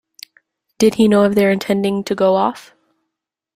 Did he know of their intending to go off?